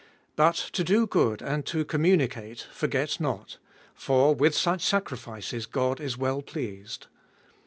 16. But to do good and to communicate forget not: for with such sacrifices God is well pleased.